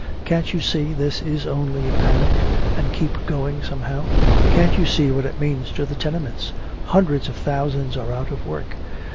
"Can't you see this is only a panic and keep going somehow? Can't you see what it means to the tenements? Hundreds of thousands are out of work!